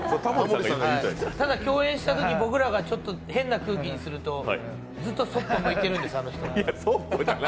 ただ共演したとき僕らが変な空気にするとずっとそっぽ向いてるんです、あの人。